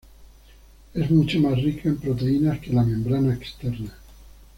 Es mucho más rica en proteínas que la membrana externa.